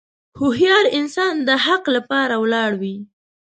هوښیار انسان د حق لپاره ولاړ وي.